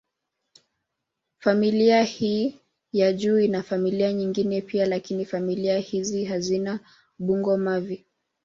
Familia hii ya juu ina familia nyingine pia, lakini familia hizi hazina bungo-mavi.